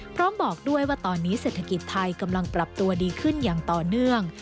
พร้อมบอกด้วยว่าตอนนี้เศรษฐกิจไทยกำลังปรับตัวดีขึ้นอย่างต่อเนื่อง